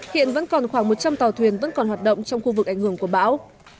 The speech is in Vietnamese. hiện vẫn còn khoảng một trăm linh tàu thuyền vẫn còn hoạt động trong khu vực ảnh hưởng của bão